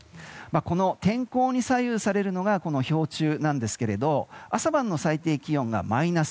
天候に左右されるのが氷柱なんですけれど朝晩の最低気温がマイナス。